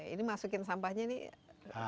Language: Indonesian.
ini masukin sampahnya nih